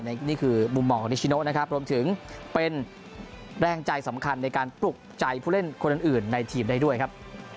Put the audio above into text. นี่คือมุมมองของนิชิโนนะครับรวมถึงเป็นแรงใจสำคัญในการปลุกใจผู้เล่นคนอื่นในทีมได้ด้วยครับ